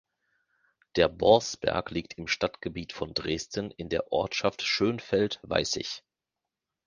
Der Borsberg liegt im Stadtgebiet von Dresden in der Ortschaft Schönfeld-Weißig.